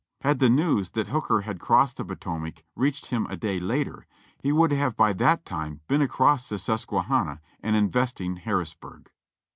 Had the news that Hooker had crossed the Potomac reached him a day later, he would have by that time been across the Sus quehanna and investing Harrisburg.